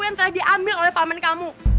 yang telah diambil oleh paman kamu